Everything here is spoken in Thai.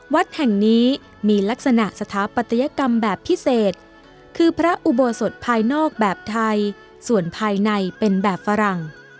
วัดแห่งนี้มีลักษณะสถาปัตยกรรมแบบพิเศษคือพระอุโบสถภายนอกแบบไทยส่วนภายในเป็นแบบฝรั่ง